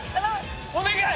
お願い！